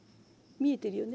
見えてるよね？